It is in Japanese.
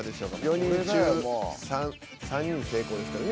４人中３人成功ですから。